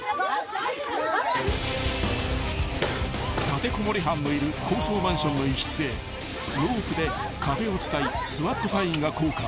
［立てこもり犯のいる高層マンションの一室へロープで壁を伝いＳＷＡＴ隊員が降下］